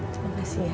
terima kasih ya